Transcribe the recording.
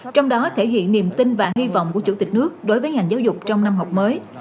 trong đó thể hiện niềm tin và hy vọng của chủ tịch nước đối với ngành giáo dục trong năm học mới